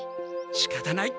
しかたない。